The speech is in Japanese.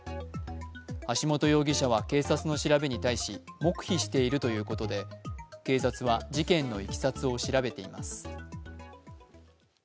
橋本容疑者は警察の調べに対し黙秘しているということで警察は事件のいきさつを調べています。